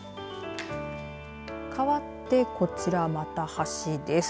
かわって、こちらはまた橋です。